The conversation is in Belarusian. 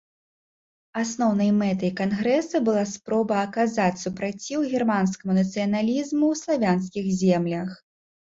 Асноўнай мэтай кангрэса была спроба аказаць супраціў германскаму нацыяналізму ў славянскіх землях.